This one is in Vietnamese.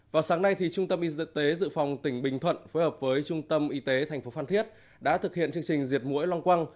vào sáng nay thì trung tâm y tế dự phòng tỉnh bình thuận phối hợp với trung tâm y tế tp phan thiết đã thực hiện chương trình diệt mũi long quăng